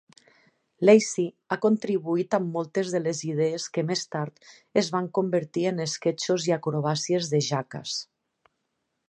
Lacy ha contribuït amb moltes de les idees que més tard es van convertir en esquetxos i acrobàcies de Jackass.